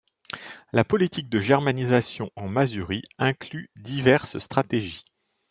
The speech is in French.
La politique de germanisation en Mazurie inclut diverses stratégies.